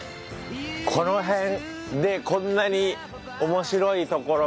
この辺でこんなに面白いところ